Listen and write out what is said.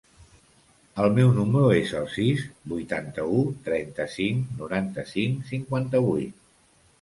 El meu número es el sis, vuitanta-u, trenta-cinc, noranta-cinc, cinquanta-vuit.